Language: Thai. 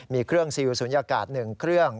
มีเครื่องซีลฟุธุธรรมชีวิตศูนยากาศ๑เครื่อง